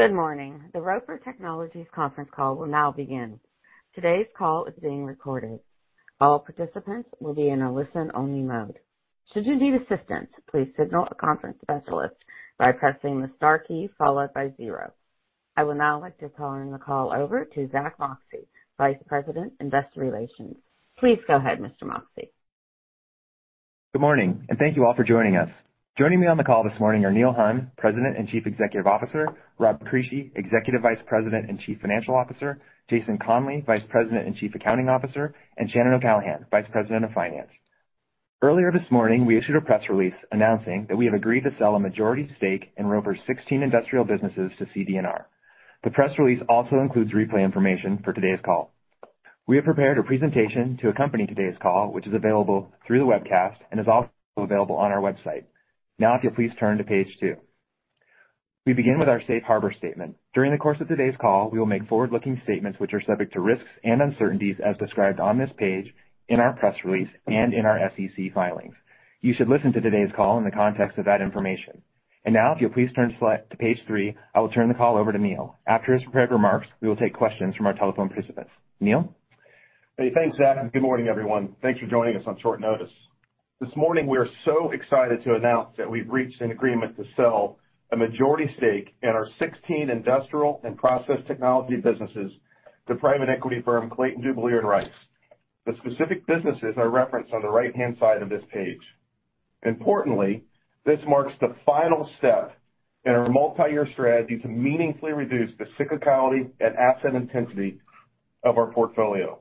Good morning. The Roper Technologies conference call will now begin. Today's call is being recorded. All participants will be in a listen-only mode. Should you need assistance, please signal a conference specialist by pressing the star key followed by zero. I would now like to turn the call over to Zack Moxcey, Vice President, Investor Relations. Please go ahead, Mr. Moxcey. Good morning, and thank you all for joining us. Joining me on the call this morning are Neil Hunn, President and Chief Executive Officer, Rob Crisci, Executive Vice President and Chief Financial Officer, Jason Conley, Vice President and Chief Accounting Officer, and Shannon O'Callaghan, Vice President of Finance. Earlier this morning, we issued a press release announcing that we have agreed to sell a majority stake in Roper's 16 industrial businesses to CD&R. The press release also includes replay information for today's call. We have prepared a presentation to accompany today's call, which is available through the webcast and is also available on our website. Now, if you'll please turn to page two. We begin with our safe harbor statement. During the course of today's call, we will make forward-looking statements which are subject to risks and uncertainties as described on this page, in our press release, and in our SEC filings. You should listen to today's call in the context of that information. Now, if you'll please turn to page three, I will turn the call over to Neil. After his prepared remarks, we will take questions from our telephone participants. Neil? Hey, thanks, Zack, and good morning, everyone. Thanks for joining us on short notice. This morning, we are so excited to announce that we've reached an agreement to sell a majority stake in our 16 Industrial and Process Technology Businesses to private equity firm Clayton, Dubilier & Rice. The specific businesses are referenced on the right-hand side of this page. Importantly, this marks the final step in our multi-year strategy to meaningfully reduce the cyclicality and asset intensity of our portfolio.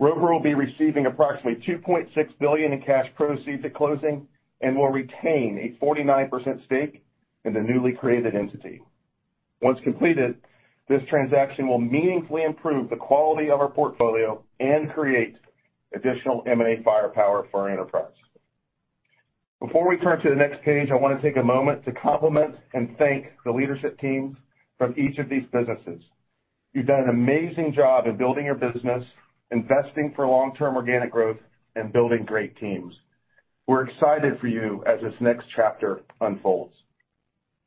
Roper will be receiving approximately $2.6 billion in cash proceeds at closing and will retain a 49% stake in the newly created entity. Once completed, this transaction will meaningfully improve the quality of our portfolio and create additional M&A firepower for our enterprise. Before we turn to the next page, I wanna take a moment to compliment and thank the leadership teams from each of these businesses. You've done an amazing job of building your business, investing for long-term organic growth, and building great teams. We're excited for you as this next chapter unfolds.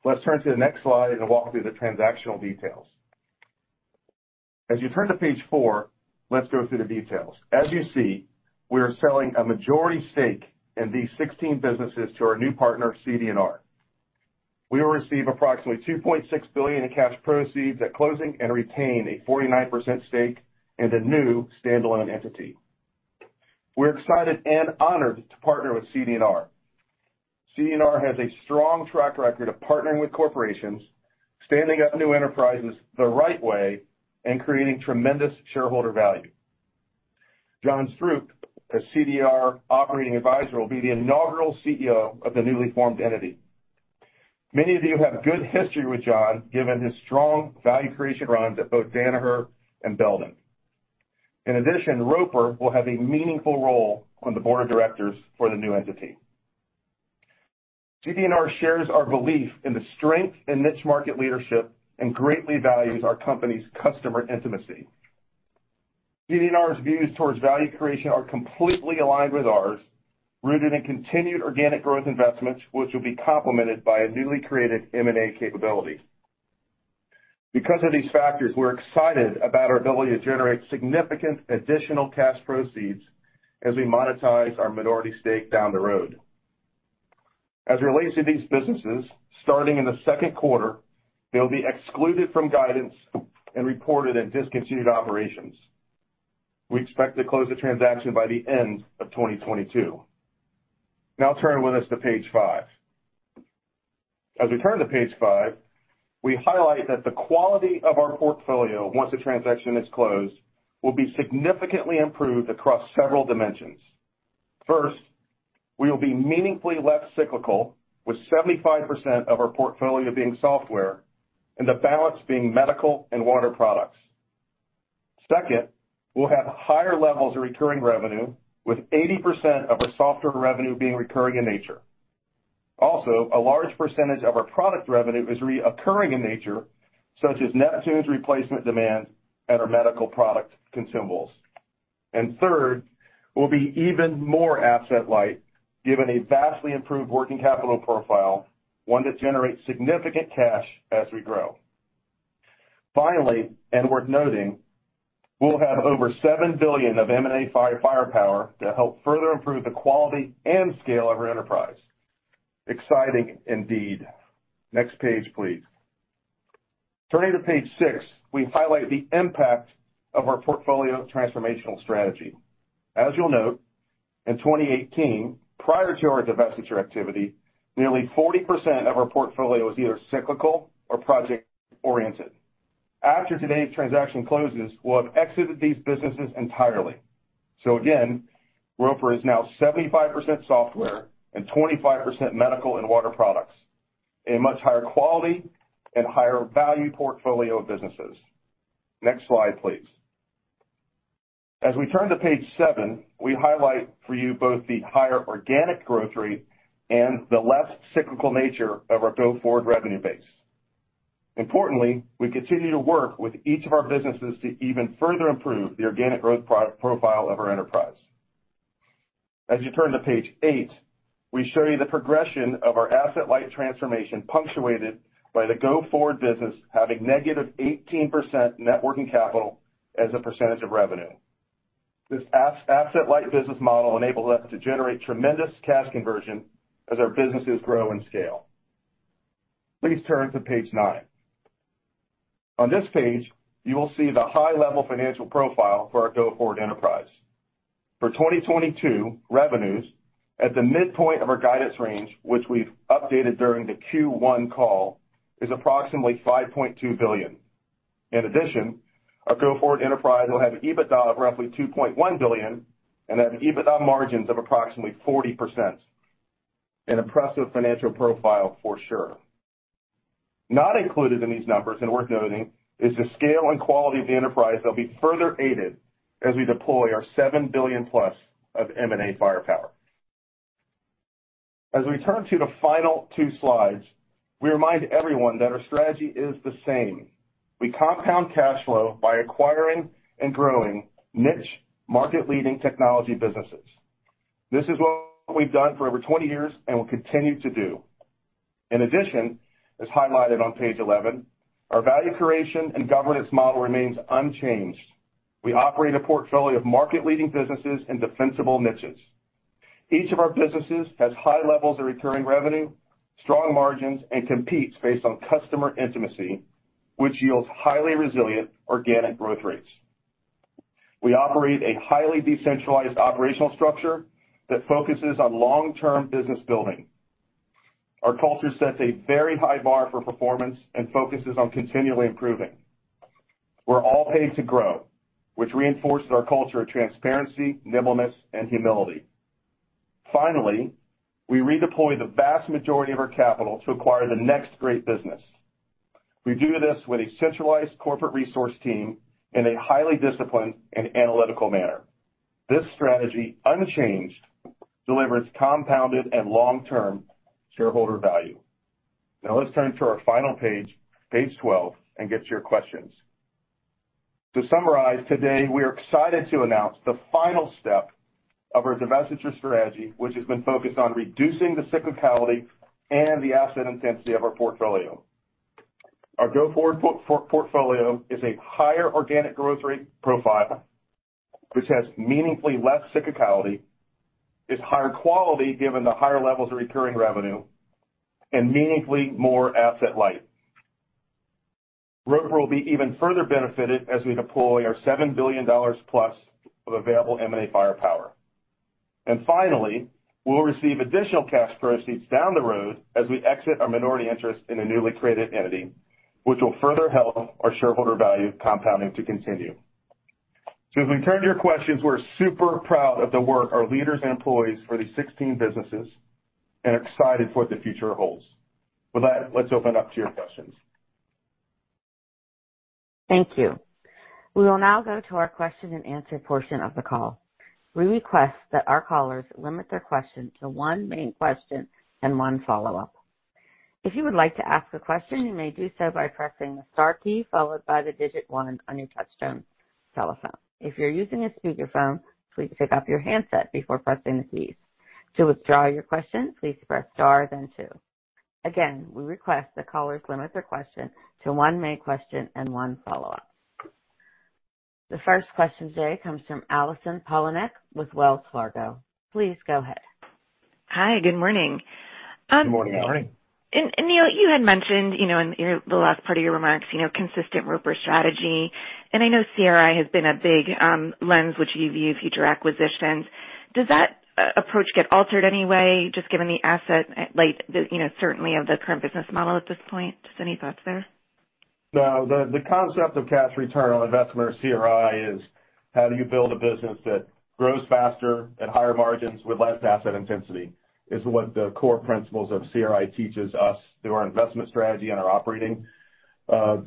Let's turn to the next slide and walk through the transactional details. As you turn to page four, let's go through the details. As you see, we are selling a majority stake in these 16 businesses to our new partner, CD&R. We will receive approximately $2.6 billion in cash proceeds at closing and retain a 49% stake in the new standalone entity. We're excited and honored to partner with CD&R. CD&R has a strong track record of partnering with corporations, standing up new enterprises the right way, and creating tremendous shareholder value. John Stroup, a CD&R operating advisor, will be the inaugural CEO of the newly formed entity. Many of you have good history with John, given his strong value creation runs at both Danaher and Belden. In addition, Roper will have a meaningful role on the board of directors for the new entity. CD&R shares our belief in the strength in niche market leadership and greatly values our company's customer intimacy. CD&R's views towards value creation are completely aligned with ours, rooted in continued organic growth investments, which will be complemented by a newly created M&A capability. Because of these factors, we're excited about our ability to generate significant additional cash proceeds as we monetize our minority stake down the road. As it relates to these businesses, starting in the second quarter, they'll be excluded from guidance and reported in discontinued operations. We expect to close the transaction by the end of 2022. Now turn with us to page five. As we turn to page five, we highlight that the quality of our portfolio, once the transaction is closed, will be significantly improved across several dimensions. First, we will be meaningfully less cyclical, with 75% of our portfolio being software and the balance being medical and water products. Second, we'll have higher levels of recurring revenue, with 80% of our software revenue being recurring in nature. Also, a large percentage of our product revenue is re-occurring in nature, such as Neptune's replacement demand and our medical product consumables. Third, we'll be even more asset light, given a vastly improved working capital profile, one that generates significant cash as we grow. Finally, and worth noting, we'll have over $7 billion of M&A firepower to help further improve the quality and scale of our enterprise. Exciting indeed. Next page, please. Turning to page six, we highlight the impact of our portfolio transformational strategy. As you'll note, in 2018, prior to our divestiture activity, nearly 40% of our portfolio was either cyclical or project-oriented. After today's transaction closes, we'll have exited these businesses entirely. Again, Roper is now 75% software and 25% medical and water products, a much higher quality and higher value portfolio of businesses. Next slide, please. As we turn to page seven, we highlight for you both the higher organic growth rate and the less cyclical nature of our go-forward revenue base. Importantly, we continue to work with each of our businesses to even further improve the organic growth profile of our enterprise. As you turn to page eight, we show you the progression of our asset-light transformation punctuated by the go-forward business having -18% net working capital as a percentage of revenue. This asset-light business model enables us to generate tremendous cash conversion as our businesses grow in scale. Please turn to page nine. On this page, you will see the high-level financial profile for our go-forward enterprise. For 2022, revenues at the midpoint of our guidance range, which we've updated during the Q1 call, is approximately $5.2 billion. In addition, our go-forward enterprise will have EBITDA of roughly $2.1 billion and have EBITDA margins of approximately 40%. An impressive financial profile for sure. Not included in these numbers, and worth noting, is the scale and quality of the enterprise that'll be further aided as we deploy our $7+ billion of M&A firepower. As we turn to the final two slides, we remind everyone that our strategy is the same. We compound cash flow by acquiring and growing niche market-leading technology businesses. This is what we've done for over 20 years and will continue to do. In addition, as highlighted on page 11, our value creation and governance model remains unchanged. We operate a portfolio of market-leading businesses in defensible niches. Each of our businesses has high levels of recurring revenue, strong margins, and competes based on customer intimacy, which yields highly resilient organic growth rates. We operate a highly decentralized operational structure that focuses on long-term business building. Our culture sets a very high bar for performance and focuses on continually improving. We're all paid to grow, which reinforces our culture of transparency, nimbleness, and humility. Finally, we redeploy the vast majority of our capital to acquire the next great business. We do this with a centralized corporate resource team in a highly disciplined and analytical manner. This strategy, unchanged, delivers compounded and long-term shareholder value. Now let's turn to our final page 12, and get to your questions. To summarize, today, we are excited to announce the final step of our divestiture strategy, which has been focused on reducing the cyclicality and the asset intensity of our portfolio. Our go-forward portfolio is a higher organic growth rate profile, which has meaningfully less cyclicality, is higher quality given the higher levels of recurring revenue, and meaningfully more asset light. Roper will be even further benefited as we deploy our $7 billion plus of available M&A firepower. Finally, we'll receive additional cash proceeds down the road as we exit our minority interest in a newly created entity, which will further help our shareholder value compounding to continue. As we turn to your questions, we're super proud of the work our leaders and employees for these 16 businesses and excited for what the future holds. With that, let's open up to your questions. Thank you. We will now go to our question-and-answer portion of the call. We request that our callers limit their question to one main question and one follow-up. If you would like to ask a question, you may do so by pressing the star key followed by the digit one on your touchtone telephone. If you're using a speakerphone, please pick up your handset before pressing the keys. To withdraw your question, please press star then two. Again, we request that callers limit their question to one main question and one follow-up. The first question today comes from Allison Poliniak with Wells Fargo. Please go ahead. Hi, good morning. Good morning. Neil, you had mentioned, you know, in the last part of your remarks, you know, consistent Roper strategy, and I know CRI has been a big lens which you view future acquisitions. Does that approach get altered in any way, just given the asset, like, the, you know, certainty of the current business model at this point? Just any thoughts there? No. The concept of cash return on investment, or CRI, is how do you build a business that grows faster at higher margins with less asset intensity, is what the core principles of CRI teaches us through our investment strategy and our operating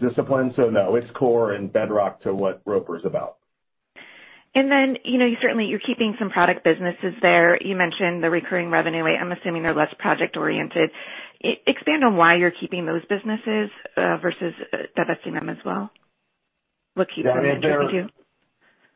discipline. No, it's core and bedrock to what Roper is about. You know, you certainly, you're keeping some product businesses there. You mentioned the recurring revenue way. I'm assuming they're less project-oriented. Expand on why you're keeping those businesses versus divesting them as well. What keeps them in Roper too?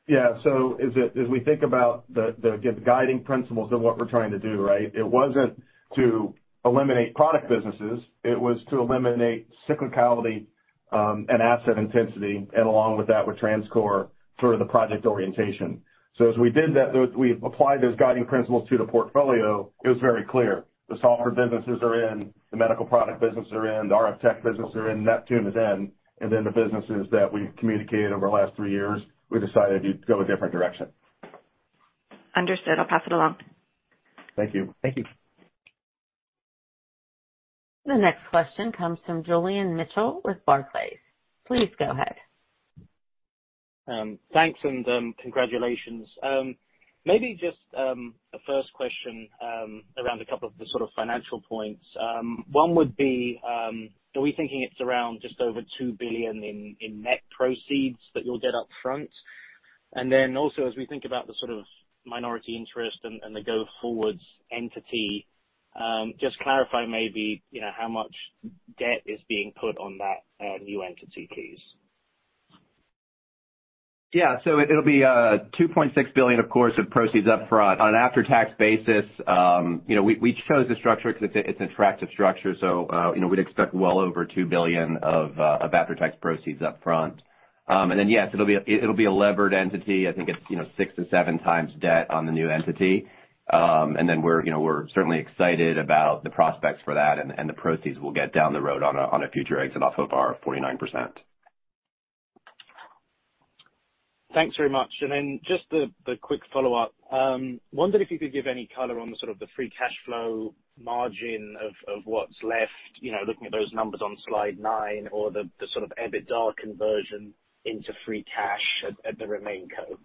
Yeah. As we think about the guiding principles of what we're trying to do, right? It wasn't to eliminate product businesses. It was to eliminate cyclicality and asset intensity, and along with that, with TransCore, sort of the project orientation. As we did that, we applied those guiding principles to the portfolio. It was very clear. The software businesses are in, the medical product businesses are in, the RF Tech businesses are in, Neptune is in, and then the businesses that we've communicated over the last three years, we decided to go a different direction. Understood. I'll pass it along. Thank you. Thank you. The next question comes from Julian Mitchell with Barclays. Please go ahead. Thanks and congratulations. Maybe just a first question around a couple of the sort of financial points. One would be, are we thinking it's around just over $2 billion in net proceeds that you'll get up front? Then also as we think about the sort of minority interest and the go-forward entity, just clarify maybe, you know, how much debt is being put on that new entity, please. Yeah. It'll be $2.6 billion, of course, of proceeds up front on an after-tax basis. You know, we chose this structure 'cause it's an attractive structure, so you know, we'd expect well over $2 billion of after-tax proceeds up front. Yes, it'll be a levered entity. I think it's you know, 6x-7x debt on the new entity. We're you know, we're certainly excited about the prospects for that and the proceeds we'll get down the road on a future exit off of our 49%. Thanks very much. Then just the quick follow-up. Wondering if you could give any color on the sort of free cash flow margin of what's left, you know, looking at those numbers on slide nine or the sort of EBITDA conversion into free cash at the remain co.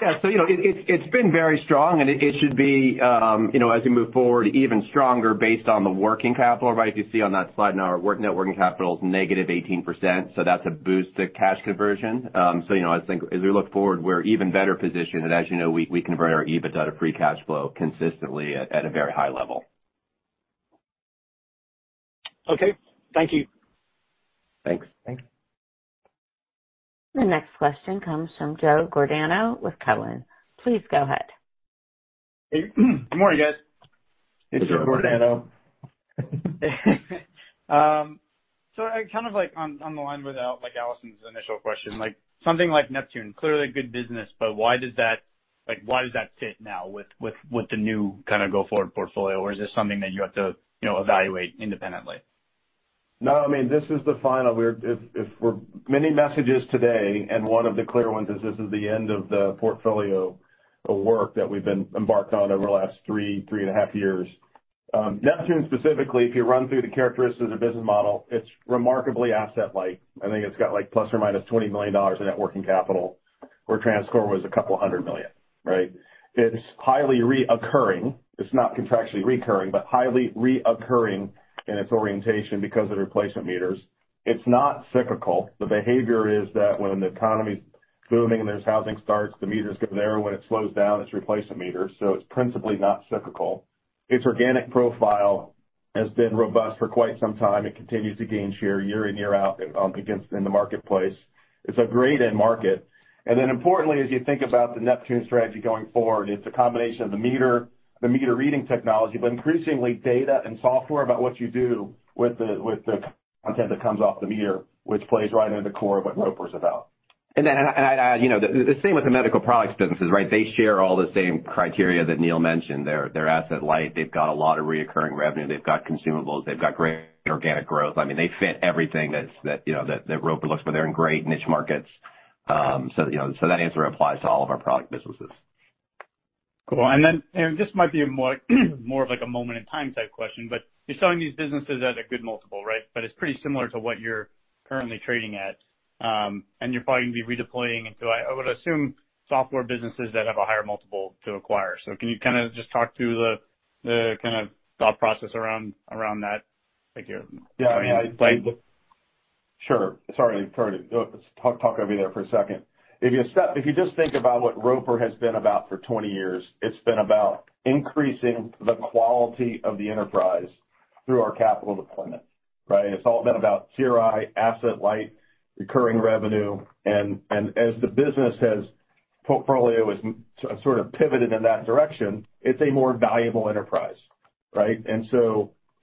Yeah. You know, it's been very strong, and it should be, you know, as we move forward, even stronger based on the working capital, right? If you see on that slide, now our net working capital is negative 18%, so that's a boost to cash conversion. You know, I think as we look forward, we're even better positioned. As you know, we convert our EBITDA to free cash flow consistently at a very high level. Okay. Thank you. Thanks. Thank you. The next question comes from Joe Giordano with Cowen. Please go ahead. Hey. Good morning, guys. This is Giordano. I kind of like on the line with like Allison's initial question, like something like Neptune, clearly good business, but why does that fit now with the new kinda go forward portfolio? Or is this something that you have to evaluate independently? No, I mean, this is the final. We're sending many messages today, and one of the clear ones is this is the end of the portfolio work that we've been embarked on over the last three and a half years. Neptune specifically, if you run through the characteristics of business model, it's remarkably asset light. I think it's got like ±$20 million in net working capital, where TransCore was a couple hundred million, right? It's highly recurring. It's not contractually recurring, but highly recurring in its orientation because of the replacement meters. It's not cyclical. The behavior is that when the economy's booming and there's housing starts, the meters go there. When it slows down, it's replacement meters, so it's principally not cyclical. Its organic profile has been robust for quite some time. It continues to gain share year in, year out, against in the marketplace. It's a great end market. Importantly, as you think about the Neptune strategy going forward, it's a combination of the meter, the meter reading technology, but increasingly data and software about what you do with the content that comes off the meter, which plays right into core of what Roper's about. You know, the same with the medical product businesses, right? They share all the same criteria that Neil mentioned. They're asset light. They've got a lot of recurring revenue. They've got consumables. They've got great organic growth. I mean, they fit everything that Roper looks for. They're in great niche markets. You know, that answer applies to all of our product businesses. Cool. This might be more of like a moment in time type question, but you're selling these businesses at a good multiple, right? It's pretty similar to what you're currently trading at. You're probably gonna be redeploying into, I would assume, software businesses that have a higher multiple to acquire. Can you kinda just talk through the kind of thought process around that? Thank you. Yeah. Sure. Sorry to talk over you there for a second. If you just think about what Roper has been about for 20 years, it's been about increasing the quality of the enterprise through our capital deployment, right? It's all been about CRI, asset light, recurring revenue. As the business portfolio is sort of pivoted in that direction, it's a more valuable enterprise, right?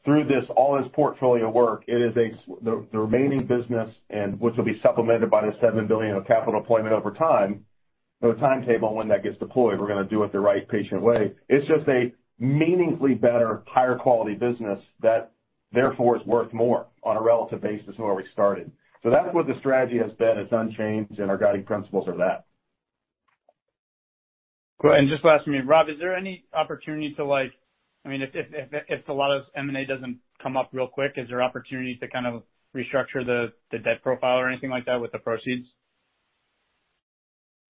Through this, all this portfolio work, it is the remaining business, which will be supplemented by the $7 billion of capital deployment over time. No timetable on when that gets deployed. We're gonna do it the right patient way. It's just a meaningfully better, higher quality business that therefore is worth more on a relative basis than where we started. That's what the strategy has been. It's unchanged and our guiding principles are that. Cool. Just last from me. Rob, is there any opportunity to like, I mean, if a lot of M&A doesn't come up real quick, is there opportunity to kind of restructure the debt profile or anything like that with the proceeds?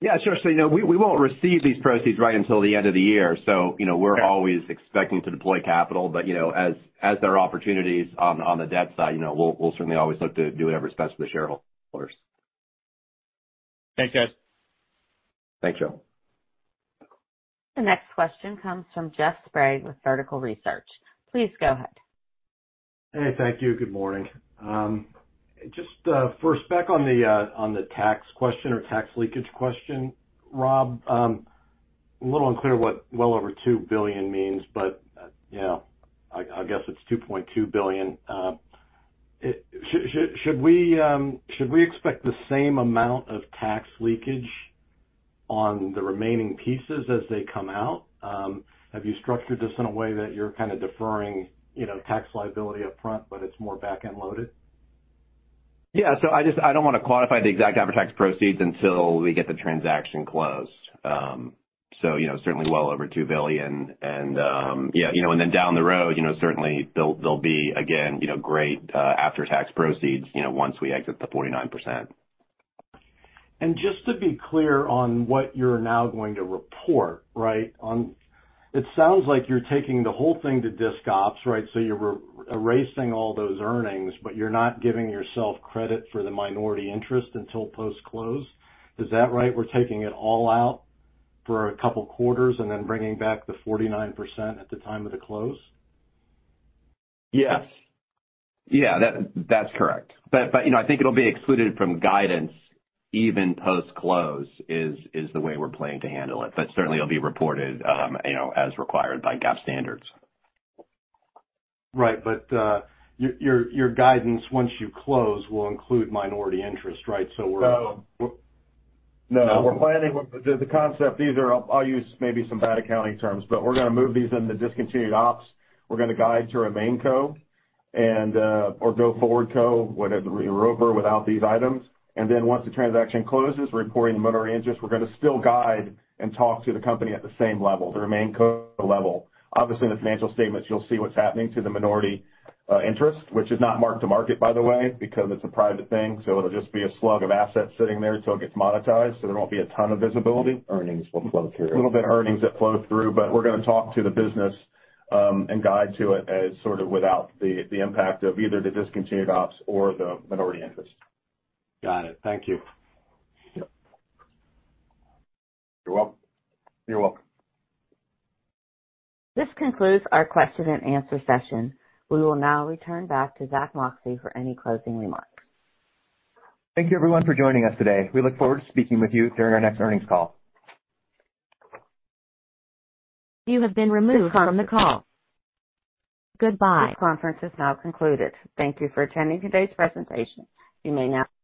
Yeah, sure. You know, we won't receive these proceeds right until the end of the year. You know, Sure We're always expecting to deploy capital. You know, as there are opportunities on the debt side, you know, we'll certainly always look to do what's best for the shareholders. Thanks, guys. Thanks, Joe. The next question comes from Jeff Sprague with Vertical Research. Please go ahead. Hey. Thank you. Good morning. Just first back on the on the tax question or tax leakage question, Rob, a little unclear what well over $2 billion means, but, you know, I guess it's $2.2 billion. Should we expect the same amount of tax leakage on the remaining pieces as they come out? Have you structured this in a way that you're kind of deferring, you know, tax liability up front, but it's more back-end loaded? I don't want to quantify the exact after-tax proceeds until we get the transaction closed. You know, certainly well over $2 billion and you know, and then down the road, you know, certainly there'll be again, you know, great after-tax proceeds, you know, once we exit the 49%. Just to be clear on what you're now going to report, right? It sounds like you're taking the whole thing to disc ops, right? You're re-erasing all those earnings, but you're not giving yourself credit for the minority interest until post-close. Is that right? We're taking it all out for a couple quarters and then bringing back the 49% at the time of the close? Yes. Yeah, that's correct. You know, I think it'll be excluded from guidance even post-close is the way we're planning to handle it, but certainly it'll be reported, you know, as required by GAAP standards. Right. Your guidance, once you close, will include minority interest, right? No. No. The concept either I'll use maybe some bad accounting terms, but we're gonna move these into discontinued ops. We're gonna guide to remain co and or go forward co, whatever, Roper without these items. Then once the transaction closes, we're reporting the minority interest. We're gonna still guide and talk to the company at the same level, the remain co level. Obviously, in the financial statements, you'll see what's happening to the minority interest, which is not marked to market, by the way, because it's a private thing. It'll just be a slug of assets sitting there till it gets monetized, so there won't be a ton of visibility. Earnings will flow through. A little bit earnings that flow through, but we're gonna talk to the business, and guide to it as sort of without the impact of either the discontinued ops or the minority interest. Got it. Thank you. You're welcome. You're welcome. This concludes our question and answer session. We will now return back to Zack Moxcey for any closing remarks. Thank you everyone for joining us today. We look forward to speaking with you during our next earnings call. You have been removed from the call. Goodbye. This conference is now concluded. Thank you for attending today's presentation. You may now-